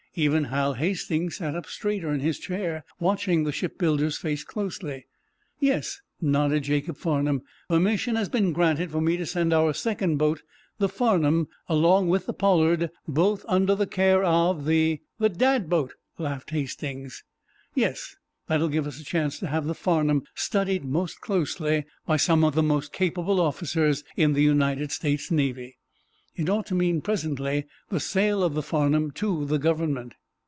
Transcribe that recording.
Even Hal Hastings sat up straighter in his chair, watching the shipbuilder's face closely. "Yes," nodded Jacob Farnum. "Permission has been granted for me to send our second boat, the 'Farnum,' along with the 'Pollard'—both under the care of the—" "The Dad boat," laughed Hastings. "Yes; that will give us a chance to have the 'Farnum' studied most closely by some of the most capable officers in the United States Navy. It ought to mean, presently, the sale of the 'Farnum' to the Government."